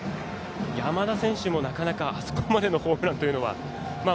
山田選手も、なかなかあそこまでのホームランというのは。